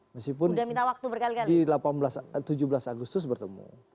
meskipun di tujuh belas agustus bertemu